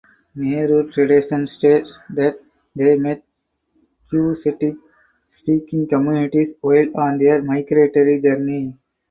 Meru tradition states that they met Cushitic speaking communities while on their migratory journey.